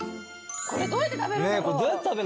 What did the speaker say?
これどうやって食べるんだろう。